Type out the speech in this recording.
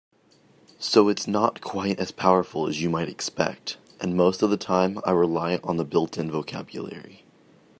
So it's not quite as powerful as you might expect, and most of the time I rely on the built-in vocabulary.